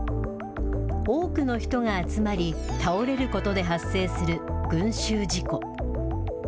多くの人が集まり、倒れることで発生する群集事故。